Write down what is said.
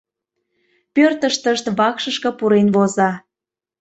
Пӧртыштышт вакшышке пурен возо.